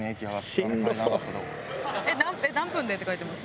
何分でって書いてます？